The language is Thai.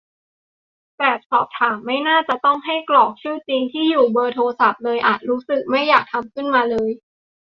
แบบสอบถามไม่น่าจะต้องให้กรอกชื่อจริง ที่อยู่ เบอร์โทรศัพท์ เลยอะ รู้สึกไม่อยากทำขึ้นมาเลย